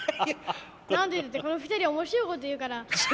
何でってこの２人は面白いことを言うから。